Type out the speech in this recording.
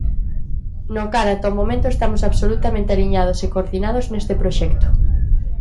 No cal ata o momento estamos absolutamente aliñados e coordinados neste proxecto.